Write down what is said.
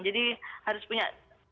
jadi harus punya